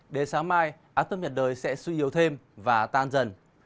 đến sáng mai áp thấp nhiệt đới sẽ suy yếu thêm và tan dần